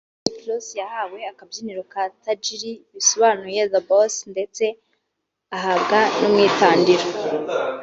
Rick Ross yahawe akabyiniro ka ‘ Tajiri ’ bisobanuye The Boss ndetse ahabwa n’ umwitandiro